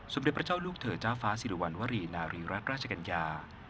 เด็จพระเจ้าลูกเธอเจ้าฟ้าสิริวัณวรีนารีรัฐราชกัญญา